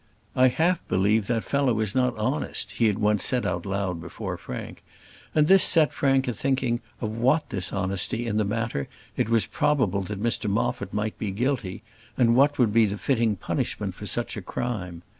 "I half believe that fellow is not honest," he had once said out loud before Frank, and this set Frank a thinking of what dishonesty in the matter it was probable that Mr Moffat might be guilty, and what would be the fitting punishment for such a crime.